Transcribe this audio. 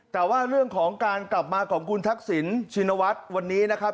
แต่ว่าเรื่องของการกลับมาของคุณทักษิณชินวัฒน์วันนี้นะครับ